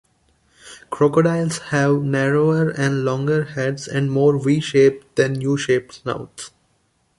Crocodiles have narrower and longer heads, and more V-shaped than U-shaped snouts.